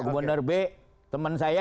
gubernur b temen saya